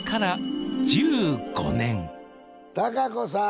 貴子さん。